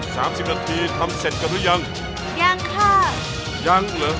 สามสิบนาทีทำเสร็จกันหรือยังยังค่ะยังเหรอ